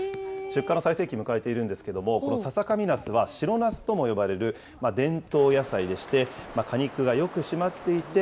出荷の最盛期を迎えているんですけれども、この笹神なすは白なすとも呼ばれる伝統野菜でして、果肉がよく締まっていて、